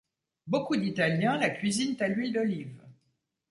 Beaucoup d'Italiens la cuisinent à l’huile d’olive.